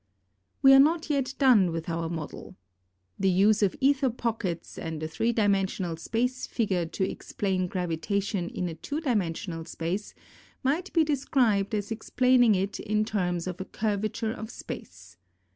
We are not yet done with? our model. The use of aether pockets and a three dimensional space figure to explain gravitation in a two dimensional space, might be described as explaining it in terms of a curvature of space.